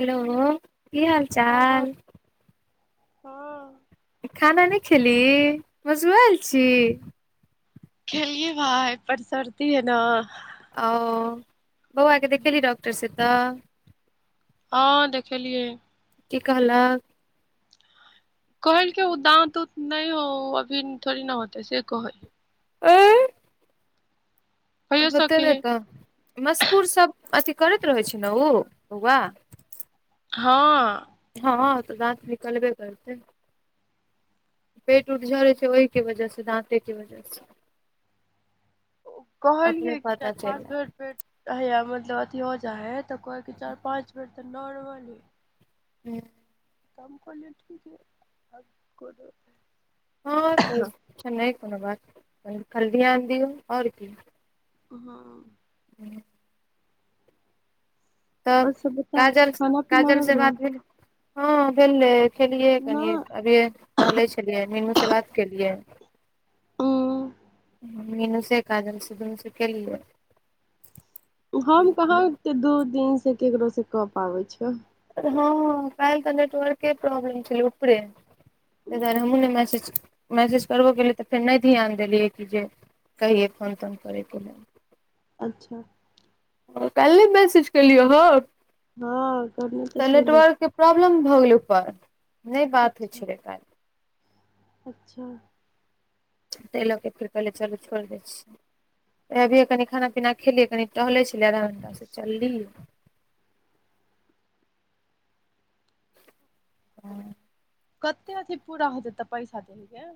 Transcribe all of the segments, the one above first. कि। की हाल चाल [unintelligible] खाना नइ खेली बसुयेल छी। खेलियै भाए परसरती है न। ओ बौआके देखेली डॉकटर से त। हँ देखेलियै। की कह ला। कहके ओ दाँत त उत नय हो अभी थोड़ी न होतै से कहै, ऐय। कहियो होतै सके ने है त मसकूर सब अथी करैत रहै छै ने ओ बौआ। हाँ। हँ त दाँत निकलबे करतै। पेट उट झोरे छै ओहिके वजह स दाँते के वजह स। अपने कहलै कि चाइर पता चलि पाच घर पैठ, हैया मतलब अथी हो जा है त को के चार पाँच बेर त नॉर्मले। हूँ कम कहलियै कि कि आ कोनो, हँ त छै नै कोनो बात ध्यान दियौ आओर की। हम्म। हूँ तब आओर सब बता काजल खाना पीना काजल हो से गेलौ भात नै भे, हँ भेलै खेलियै न कनी, अभिए टहलै छलियै नीनू से बात केलियै ओ मीनू से काजल से दुनू से केेलियै। हम कहाँ ते दू दिनसं केकरो सं क पाबै छिअइ। हँ काल्हि त नेटवर्के प्रॉब्लेम छलै उपरे। तै दुआरे हम नै मैसेज मैसेज करबो केलिअइ त फेर नै धियान देलियै कि जे कहियै फोन तोन करै के लेल। अच्छा। ओ काल्हि नै मैसेज केलिऐ हौ। हँ करने त छलै। [inaudible] प्रॉब्लम भ गेलै ऊपर, [inaudible] नै बात होइ अच्छा छलै त। [inaudible] अच्छा। तै ल क फेर कहलियै चलू छोड़ि दै छियै। अभिये कनी खाना पीना खेलियै कनी टहलै छलिअइ आधा घण्टा से चललिअइ [inaudible] हँ कते अथी पूरा होतै त पैसा दै है।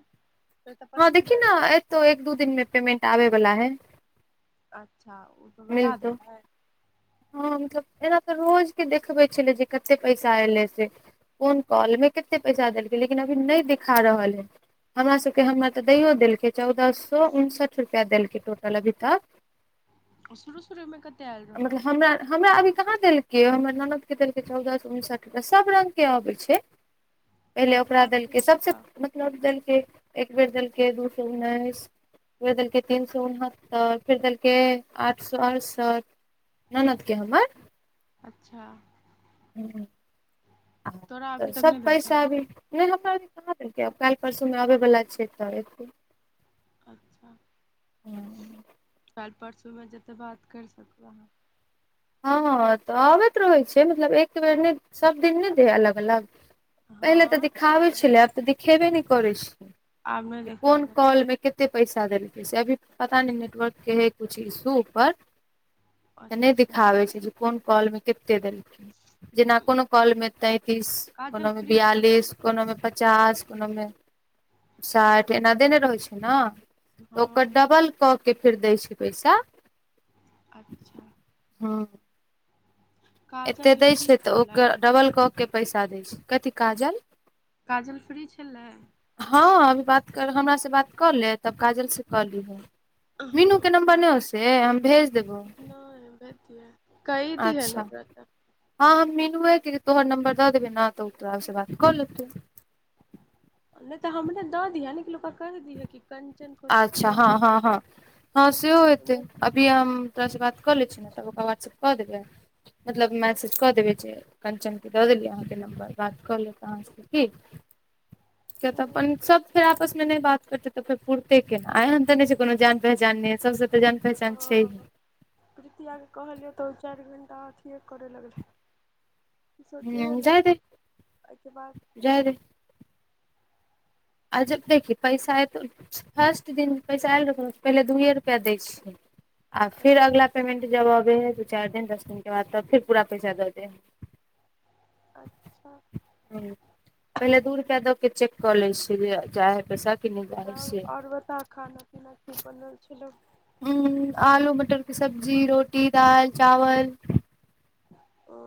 हँ देखि न एतौ, एक दू दिन मे पेमेंट आबै बला हय। अच्छा उ त बता दइ मिलतौ हय? हँ मतलब एना त रोज के देखबै छलै जे कते पैसा एलै से। कोन कॉलमे कते पैसा देलकै लेकिन अभी नहि देखा रहल है। हमरा सबके, हमर त दैओ देलकै चौदह स उनसठ रुपैआ देलकै टोटल अभी तक। आ शुरू शुरूमे कते आएल रहौ? मतलब हमरा, हमरा अभी कहाँ देलकैअ? हमर ननद के देलकै चौदह स उनसठ [unintelligible] सब रंग के आबै छै। पहिले ओकरा देलकै, सबसं मतलब देलकै एक बेर देलकै दू सौ उन्नैस फेर देलकै तीन स उनहत्तर, फेर देलकै आठ सौ अढ़सठ। ननद के हमर। अच्छा। [inaudible] तोरा अखने देलकौ? अच्छा तोरा त अभी तक सब नहि देलकौ पैसा अभी नै हमरा अभी कहाँ देलकै, आब काल्हि परसूमे आबै बला छै त एतै। अच्छा हँ [inaudible] काल्हि परसूमे जते बात करि सकू अहाँ। हँ त अबैत रहै छै मतलब एक बेर नै सब दिन नै देै है अलग-अलग। पहिले त हँ दिखाबै छलै आब त देखेबे नै करै छै आब [inaudible] नहि जे कोन देखाबै हइ कॉल में के ते पैसा देलकै से अभी पता नै नेटवर्क के है कुछ इशू ऊपर। अच्छा। कहै छै जे कोन कॉल में केते देलकै, जेना कोनो कॉल में तैंतीस, काजल कोनोमे फ्री छलै बियालिस, कोनो में पचास, कोनोमे साठि, एना देने रहै छै न ओकर हँ डबल क के फेर दै छै पैसा। अच्छा। हँ। एते काजल दै फ्री छै त छलै ओकर डबल क के पैसा दै छै। कथी काजल? काजल फ्री छलै? हँ अभी बात कर हमरा से बात क ले तब काजल से क लीहे। [inaudible] मीनू के नम्बर नै हौ से हम भे नै [inaudible] कैट गेलो ओकरा तै हां हम मिनुए के तोहर नंबर द देबे नै तऽ ओ तोरा से बात कऽ लेतो। नै तऽ हमरे दऽ दिहे लेकिन ओकरा कह दिहे कि कन अच्छा हां-हां-हां-हां-हां सेहो हँ हेतै अभी हम तोरा से बात कऽ लै छियौ तब ओकरा व्हाट्सऐप कऽ देबै मतलब मैसेज कऽ देबै जे कंचन क के दऽ देलियै अहाँके नम्बर बात क लेत अहाँ से की? किए तऽ अपन सब फेर आपस मे नै बात करते तै फेर पुरते केना अ एहेन तऽ नै छै कोनो जान पहचान नै यै सबसे तऽ जान पहचान छै। प्रीतिया केँ कहलियौ तऽ ओ चार घंटा अथिए करय लगलै। हां सोचेहे लगलै जाए देे, एहिके बाद जाए दे आ जब देखी पैसा ऐतो नै फर्स्ट दिन पैसा ऐल रहो नै पहिले दुए रुपया दै छै। आ फेर अगला पेमेंट जब अबे हय दू चार दिन दस दिन के बाद तब फेर पूरा पैसा दऽ दे हय। अच्छा। पहिले दूई रुपया द के चेक कऽ ले छै जे जाए हय पैसा कि नहि जाइ हइ तब से और बताव खाना-पीना की बनल छलौ। उम्म आलू मटर के सब्जी, रोटी, दाल, चावल औ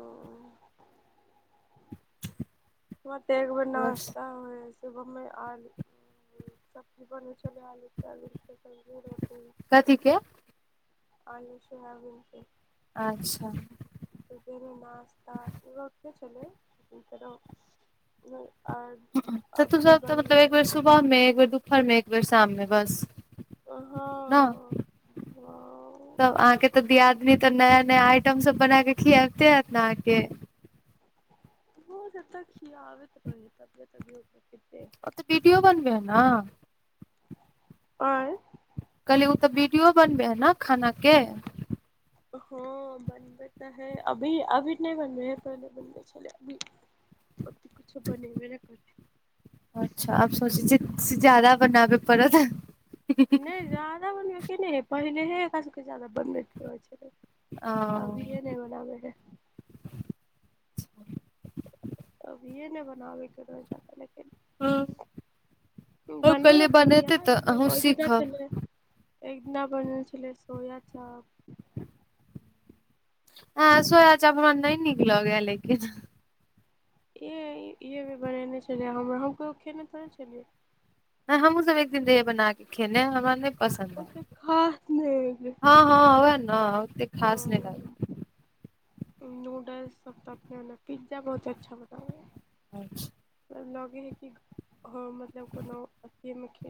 हमर तै एक बेर बस नाश्ता होय छै। [unintelligible] सब्जी-रोटी, कथी के आलू-सोयाबीन के अच्छा। सबेरे नाश्ता इहो होते छलै [inaudible] नै आर तऽ तू अभी सब तऽ मतलब एक बनलै बेर सुबह मे, एक बेर दुपहर मे, एक बेर शाम मे, बस न हां। तब अहाँके तै दियादनी तै नया-नया आइटम सब बना के खियाबते हैत ने अहाँके? रोज एतय खियाबैत रहय यै तखनो तबियत त ठीक नै यै। ओ तऽ वीडियो बनबय हय नै। ऐं कहलियै उ तै वीडियो बनबय हे ना खाना के? हां बन बनबै तै हय अभी-अभी नै बनबय हय पहिने बनबय छलय अभी अभी कुछो बनेबे नै करय हय। अच्छा आब सोचय छै से ज्यादा बनाबय पड़त नै जादा बनबै के नै हय पहलेहे एकरा सबके ज्यादा बनबय के रहय छलै। आब विडियो नै बनाबै यै। अभीेये नै बनाबय के रहय ओ [unintelligible] हम बना कहलियै बनेतै खिआ तऽ देबै अहूँ ओय दिना सीखब छलै एक दिना बनल छलै सोया चाप हां सोया चाप हमरा नै नीक लगै यै लेकिन यै ई भी बनेनै छलय जे हमरा हम कहियो खेने थोड़े छलियै। हां हम्हूँ सब एक दिन रहियै बना के खेने हमरा नै पसन्द ओते परल, खास नहि हां-हां वैह नै हां। नूडल्स सब तते ने, पिज्जा बहुत अच्छा बनाबै ये। [inaudible] लगे ही की। ह मतलब कोनो अथी मे खी,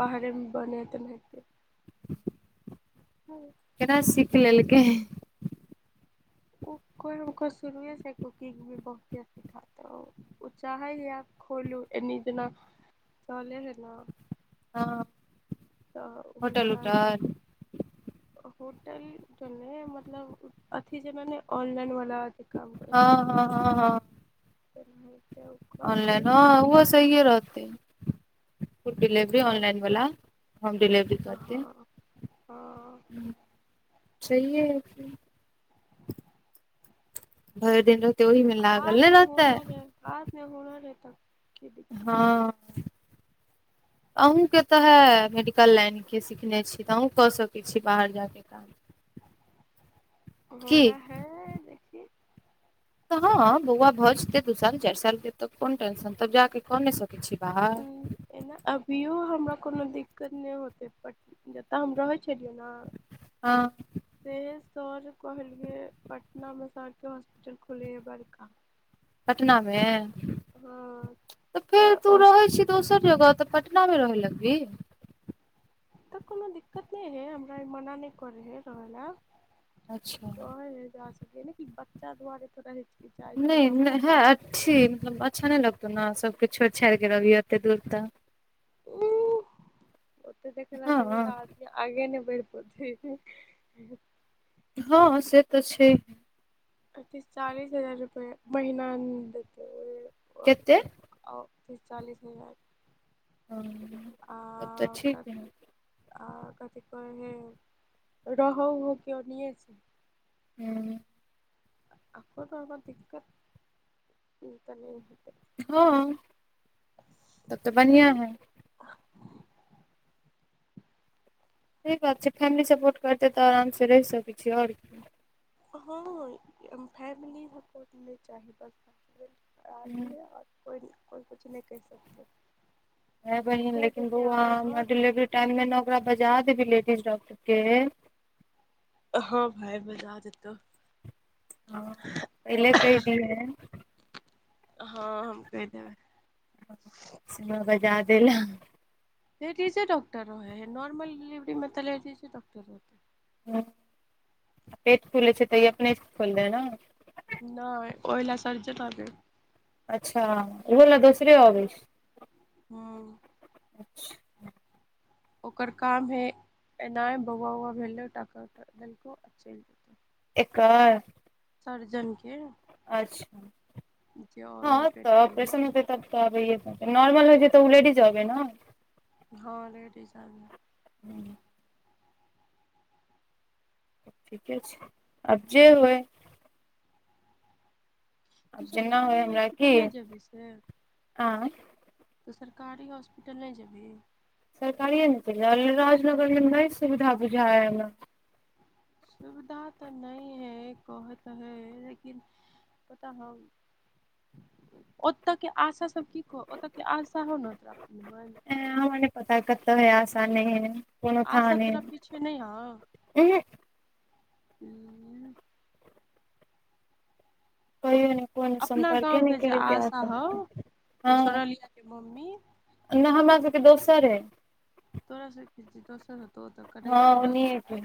बाहरेमे बने तेन हेतय। [unintelligible] केना सीख लेलकै। ओ कोय हुनका कोय शुरुये से कुकिंग मे बहुते उ चाहै ये, खोलू ऐनी जेना चलय हय न हँ तऽ ओहो होटल चाहैत उटल हेतय। होटल त नहि, मतलब अथी जेना नहि, ऑनलाइन वला काम करै हँ ह हँ हँ हँ [unintelligible] करतै ऑनलाइन हँ ओहो सहिये रहतै, फूड डिलेवरी ऑनलाइन वला। होम डिलेवरी करतै। हंऽ छहिये की। भरि दिन रहतै ओहीमे लागल, नहि रहतै। हुंउ और। [unintelligible] हँऽ अहूँ के तऽ हे, मेडिकल लाइन के सीखने छी तऽ, अहूँ कऽ सकय छी। छी बाहर जाक काम। हाँ की रहै लेकिन तऽ हँ बौआ भऽ जेतै दू साल चारि साल के तऽ, कोन टेंशन तब जाकऽ कऽ नहि सकय छी बाहर। एना अभियो हमरा कोनो दिक्कत नहि होतय पर जत हम रहै छलियै न। हं सेहे सर कहलियए, पटनामे सर के हॉस्पिटल खुलय है बरका। पटना मे, हँ तऽ फेर तऽ तू ओतऽ रहै छी दोसर जगह तऽ, पटना मे रह लग बी। अत कोनो दिक्कत नहि हय, हमरा ई मना नहि करै हय रहय ले। अच्छा कहय हय जा सै ने कि बच्चा दुआरे थोड़ रहय छय। नहि -नहि हैत। मतलब अच्छा नहि लगतौ ने सबके छोड़ि छाड़ि के रहबही एते दूर तऽ। उ ओते देखेले जेबय हँ त आ आगेनय बढ़ पोते। हँऽ से तऽ छै। पैंतिस चालीस हजार रुपए महीना देतेय कते ओते। आउ तीस चालीस हजार। हंऽ आं कऽ। आ कथि कह हय, रहह उहो के ओनिये छै। हूँ अपन रहबें त दिक्कत, इ त नहि हेतै। हँ तब तऽ बढ़आं ओहिमे हय। सही बात छै, फैमिली सपोर्ट करतै तऽ आराम से रहि सकै छी, और की। हँ फैमिली सपोर्ट नै चाही बस हस्बैंड हूँ। राजी है कोइ -कोइ कुछ नैह सकते। है बहिन लेकिन बौआ हमरा हँ तऽ डिलिवरी टाइम में ने ओकरा बजा देबही लेडीज डॉक्टर के। हाँ भाय बजा देतौ। हँ पहिले कहियै दियैन। हँ हम कहि देबै। सिमा बजा दे लऽ। लेडीजे डॉकटर रहे है, नॉर्मल डिलिवरी मे तऽ लेडीजे डॉकटर रहतै। ह पेट खुलै छै तऽ अपनेक खोलले ह ने। नै ओहि लए सर्जन अबै। अच्छा ओहो लऽ दोसरे अबय छै। हँ। अच्छा। ओकर काम है एनाह, बौआ-उौआ भेलो टांका ओंका देलको, चलि जेतौ। एकर। सर्जन के। अच्छा हइ हँ पेट तऽ फुलै ऑपरेशन लए हेते तब तऽ अबैए पड़तै, नार्मल होइ छै तऽ उ लेडीजे अबै ने। हँ लेडीज अबाय ह। हूँ। तब ठीके छै, आब जे होइ। तू आब जेना होय, सरकारी हमरा कि हॉस्पिटल नहि जेबही से आय। तऽ सरकारी हॉस्पिटल नहि जेबही। सरकारी में चलऽ जाय, राजनगर मे नहि सुविधा बुझाय यऽ हमरा। सुविधा तऽ न है, कहे तऽ हय लेकिन। पता हऊ। ओतऽ के आशा सब की कह, ओत के आशा हो ने तोरा मन। अंय हमरा नै पता कतऽ है, आसा नै है, कोनो आशा थाहे नै। तोरा पीछे नहि एहे। हूँ। कहियो ने कोनो अपना संपर्के गाँव नै के जे कैल कै आशा हौ ओ हँ। सोनलिया के मम्मी नै हमरा सबके दोसर अइ। तोरा सबके दोसर हेतो। हँ ओनये छै,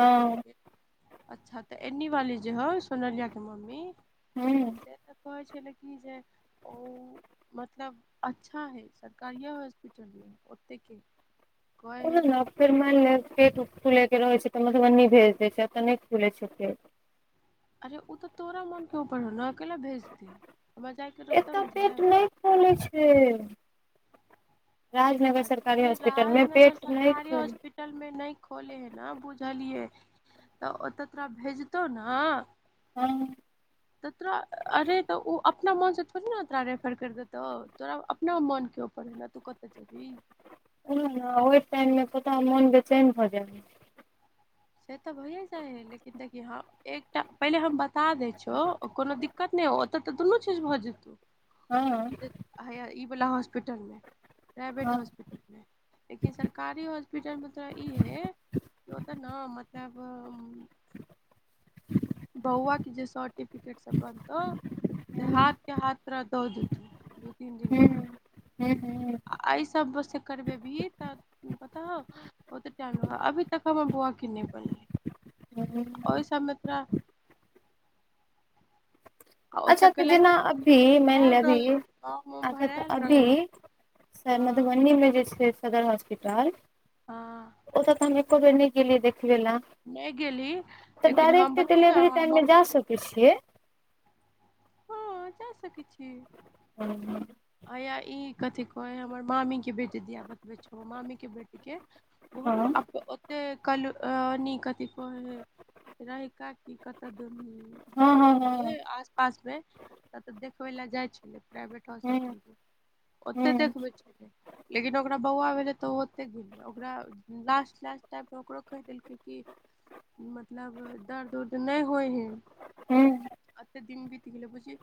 ओहि टोल के अच्छा तऽ एन्नी वाली जे हो, सोनलिया के मम्मी हूं। से तऽ कहै छले, की जे ओ मतलब अच्छा हइ, सरकारिये हॉस्पिटल में। तेकी। उ ने फेर मानि ले पेट खुले के रहै छै तऽ मधुबनी भेज देै छै, एतऽ नै खुले छै पेट। अरे ओ तऽ तोरा मोनके ऊपर हो ने, केयला भेज ते। एतऽ पेट नहि खोले छै। राजनगर सरकारी अरे हॉस्पिटल में पेट नै खोलै। पीटल मे नहि खोले है न बुझलियै, तऽ ओ तऽ तोरा भेजतौ ने। हँ। तऽ तोरा अरे तऽ उ अपना मनसँ थोड़ी न तोरा रेफर कैर देतौ तोरा अ पना मोन के ऊपर है न तू कतऽ जेबी। ओहै न ओय टाइम में पता मोन बेचैन भऽ जाइ है। से तऽ भइए जाइ हइ लेकिन देखियौ ह एक टा पहिले हम बता दै छौ कोनो दिक्कत नै औ ओतऽ तऽ दुनू चीज भऽ जेतौ। हँ। हया ईवला हॉस्पिटल में प्राइवेट हूँ हॉस्पिटल में। लेकिन सरकारी हॉस्पिटलमे तोरा इहए की ओतऽ न मतलब मम्म बौआ के जे सर्टिफिकेट सब बनतौ से हाथ के हाथ तोरा दऽ देतौ दू-तीन दिन बाद। हम्म हम्म। आ अइ सब में स करबेबही तऽ पता हउ ओते टाइम [unintelligible] अभी तक हमर बौआके नैय बनलै। हम्म सब में तोरा आ ओतऽ अच्छा तऽ कैलक जेना अभी सबकुछ भए माइनले अभी रहल फॉर्म उम अच्छा तऽ भरायल अभी रहै सर हँ मधुबनी में जे छैय सदर हॉस्पिटल हँ। ओतऽ तऽ हम एक्को बेर नैय गेलियै देखबैले। नहि गेली तऽ लेकिन हम डायरेक्ट बतैयौ डिलेवरी टाइममे हमर जा सकै छियै? हँ जा सकै छियै। हूँ हँ। हया ई कथि कहै हैय हमर मामी के बेटी दिया बतबै छौ मामी के बेटी के ओहो पा हँ अप ओ से कलू अ नीक कथी कहै हैय रहै काकी कतऽ हँ हँ दूनी। हँ जे आस-पास में ततऽ देखबै लै जाइ छेलै प्राइवेट हॉस्पिटल हूँ में ओतैय हूँ देखबै छेलै। लेकिन ओकरा बौआ भेलै तऽ ओ ओतेक ओकरा लास्ट-लास्ट टाइम में ओकरो कैह देलकय की मतलब दर्द-उर्द नैय होय हैय। हूँ अत्ते दिन बित गेलय बुझी